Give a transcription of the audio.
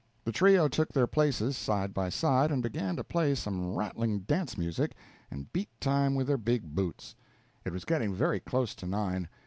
The trio took their places side by side, and began to play some rattling dance music, and beat time with their big boots. It was getting very close to nine.